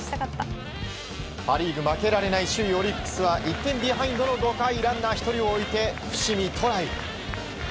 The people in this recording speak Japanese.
パ・リーグ負けられない首位オリックスは１点ビハインドの５回ランナー１人を置いて伏見寅威。